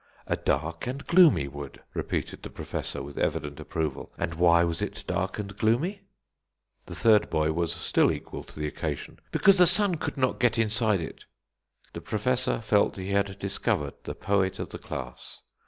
"A dark and gloomy wood," repeated the Professor, with evident approval. "And why was it dark and gloomy?" The third boy was still equal to the occasion. "Because the sun could not get inside it." The Professor felt he had discovered the poet of the class.